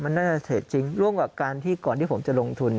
มันน่าจะเสร็จจริงร่วมกับการที่ก่อนที่ผมจะลงทุน